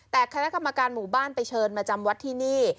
แต่คณะกรรมการหมู่บ้านไปเชิญมาจำวัดที่นี่